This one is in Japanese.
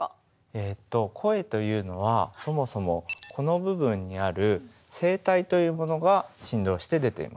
えっと声というのはそもそもこの部分にある「声帯」というものが振動して出ています。